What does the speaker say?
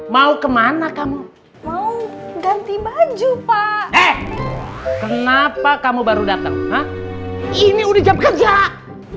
mau kemana kamu mau ganti baju pak eh kenapa kamu baru datang ini udah jam kerja